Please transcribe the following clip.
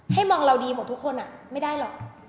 ให้มองเราดีเหมาะทุกคนอ่ะไม่ได้หรอก